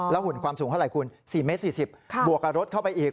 หุ่นความสูงเท่าไหร่คุณ๔เมตร๔๐บวกกับรถเข้าไปอีก